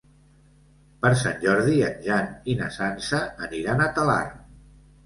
Per Sant Jordi en Jan i na Sança aniran a Talarn.